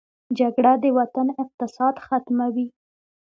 جګړه د وطن اقتصاد ختموي